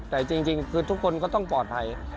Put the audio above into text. แต่จริงคือทุกคนก็ต้องปลอดภัย